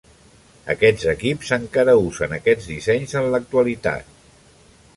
Aquests equips encara usen aquests dissenys en l'actualitat.